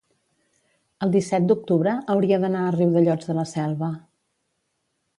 el disset d'octubre hauria d'anar a Riudellots de la Selva.